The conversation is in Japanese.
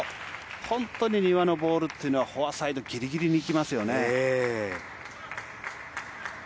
本当に丹羽のボールはフォアサイドギリギリに行きますよね。